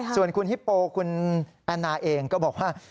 ส่วนคุณฮิปโปคุณแอนนาเองก็บอกว่า